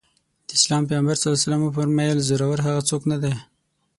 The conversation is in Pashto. د اسلام پيغمبر ص وفرمايل زورور هغه څوک نه دی.